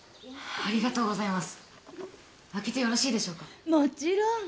ありがとうございます！